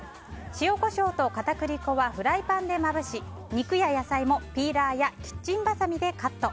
塩、コショウと片栗粉はフランパンでまぶし肉や野菜もピーラーやキッチンばさみでカット。